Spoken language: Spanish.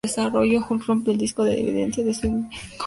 Hulk rompió el disco de obediencia de su único aliado.